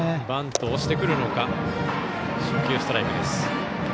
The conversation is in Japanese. バントをしてくるのか。